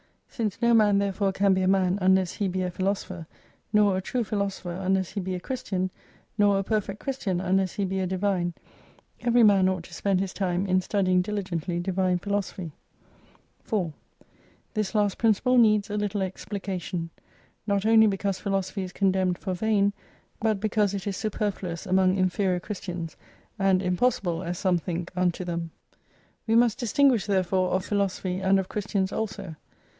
Since no man therefore can be a man unless he be a Philo sopher, nor a true Philosopher unless he be a Christian, nor a perfect Christian, unless he be a Divine, every man ought to spend his time, in studying diligently Divine Philosophy. 4 This last principle needs a little explication. Not only because Philosophy is condemned for vain, but because it is superfluous among inferior Christians, and impossible, as some think, unto them. We must dis tinguish therefore of philosophy and of Christians also.